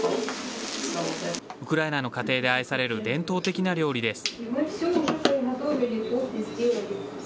ウクライナの家庭で愛される伝統的な料理です。